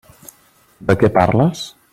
De què parles?